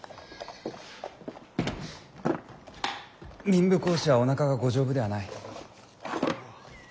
民部公子はおなかがご丈夫ではない。